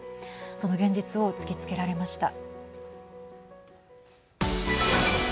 その現実を突きつけられました。